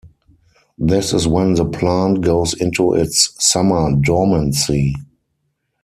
This is when the plant goes into its summer dormancy.